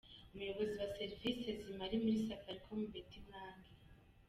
Umuyobozi wa Serivisi z’ imari muri Safaricom, Betty Mwangi,.